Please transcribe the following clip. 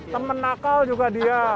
teman nakal juga dia